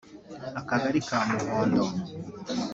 Akagali ka Muhondo